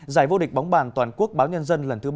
giải vô địch bóng bàn toàn quốc báo nhân dân lần thứ ba mươi